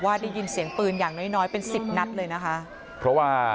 ท่านลองฟังเสียชุด๓ศพบาดเจ็บอีก๑๒นะแต่ดูภาพที่เขาบรรยาการณ์กันไว้ได้